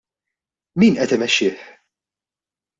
Min qed imexxih?